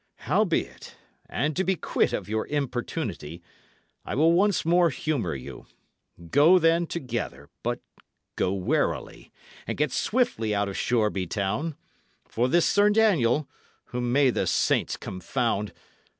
Howbeit, and to be quit of your importunity, I will once more humour you. Go, then, together; but go warily, and get swiftly out of Shoreby town. For this Sir Daniel (whom may the saints confound!)